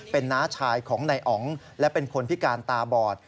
เป็นน้าชายของนายอ๋องและเป็นคนพิการตาบอด